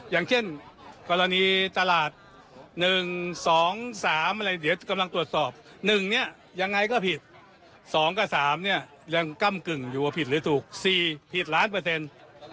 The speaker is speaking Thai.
อย่างเช่นกรณีตลาด๑๒๓อะไรเดี๋ยวกำลังตรวจสอบ๑เนี่ยยังไงก็ผิด๒กับ๓เนี่ยยังก้ำกึ่งอยู่ว่าผิดหรือถูก๔ผิดล้านเปอร์เซ็นต์